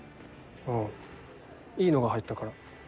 ああいいのが入ったから。